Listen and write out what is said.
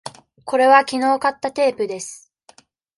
これはきのう買ったテープです。